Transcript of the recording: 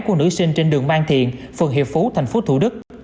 của nữ sinh trên đường mang thiện phường hiệp phú tp thủ đức